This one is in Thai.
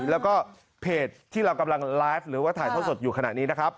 แล้วก็เพจที่เรากำลังไลฟ์หรือว่าถ่ายท่อสดอยู่ขณะนี้นะครับ